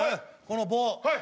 この棒。